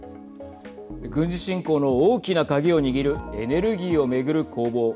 軍事侵攻の大きな鍵を握るエネルギーを巡る攻防。